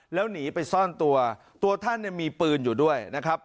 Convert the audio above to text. แล้วหนีไปซ่อนตัวตัวท่านเนี่ยมีปืนอยู่ด้วยนะครับ